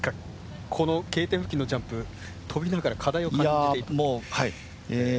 このＫ点付近のジャンプ飛びながら課題を感じていたと。